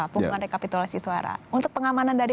hubungan rekapitulasi suara untuk pengamanan dari